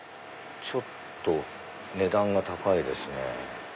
ちょっと値段が高いですね。